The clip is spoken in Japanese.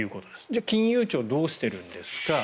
じゃあ、金融庁はどうしているんですか。